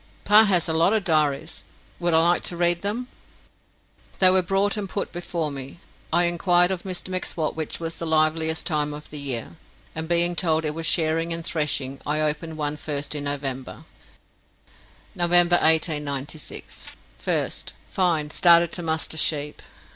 "Pa has lots of diaries. Would I like to read them?" They were brought and put before me. I inquired of Mr M'Swat which was the liveliest time of the year, and being told it was shearing and threshing, I opened one first in November: "November 1896 1st. Fine. Started to muster sheap.